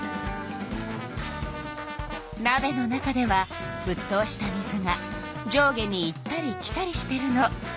なべの中ではふっとうした水が上下に行ったり来たりしてるの。